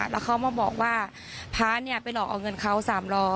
แล้วเขามาบอกว่าพระเนี่ยไปหลอกเอาเงินเขา๓๐๐